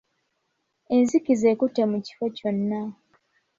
Enzikiza ekutte mu kifo kyonna.